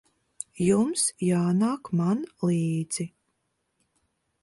Jums jānāk man līdzi.